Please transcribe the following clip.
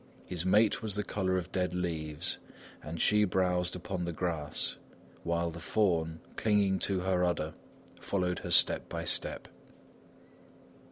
His mate was the color of dead leaves, and she browsed upon the grass, while the fawn, clinging to her udder, followed her step by step.